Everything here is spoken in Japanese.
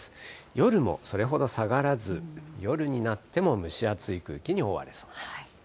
夜もそれほど下がらず、夜になっても蒸し暑い空気に覆われそうです。